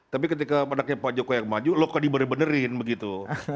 tapi ketika pada kata pak joko yang maju loka diberi benerin begitu